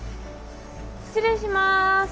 失礼します。